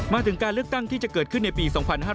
มาถึงการเลือกตั้งที่จะเกิดขึ้นในปี๒๕๕๙